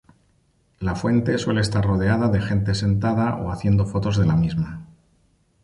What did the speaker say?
La fuente suele estar rodeada de gente sentada o haciendo fotos de la misma.